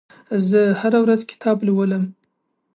زه هره ورځ کتاب لولم.